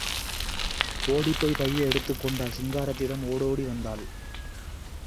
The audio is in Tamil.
ஓடிப் போய் பையை எடுத்துக் கொண்டாள், சிங்காரத்திடம் ஓடோடி வந்தாள்.